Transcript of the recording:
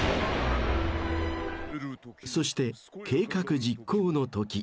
［そして計画実行のとき］